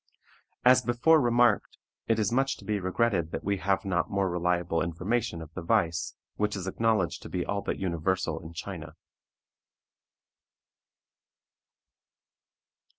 As before remarked, it is much to be regretted that we have not more reliable information of the vice, which is acknowledged to be all but universal in China.